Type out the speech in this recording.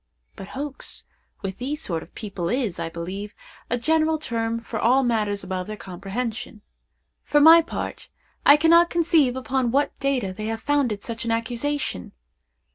But hoax, with these sort of people, is, I believe, a general term for all matters above their comprehension. For my part, I cannot conceive upon what data they have founded such an accusation.